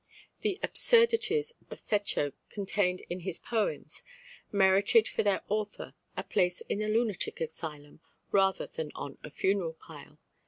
The absurdities of Cecco contained in his poems merited for their author a place in a lunatic asylum, rather than on a funeral pile.